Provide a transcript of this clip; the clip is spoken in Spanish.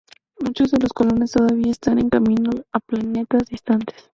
Muchos de los colonos todavía están en camino a planetas distantes.